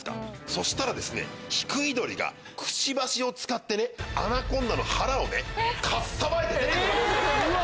そしたらヒクイドリがくちばしを使ってねアナコンダの腹をねかっさばいて出てくる！